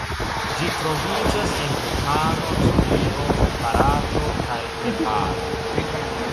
Ĝi troviĝas en Butano, Ĉinio, Barato kaj Nepalo.